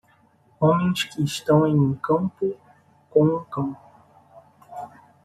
Homens que estão em um campo com um cão.